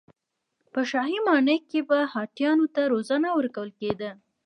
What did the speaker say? په شاهي ماڼۍ کې به هاتیانو ته روزنه ورکول کېده.